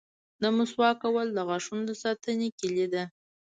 • د مسواک کول د غاښونو د ساتنې کلي ده.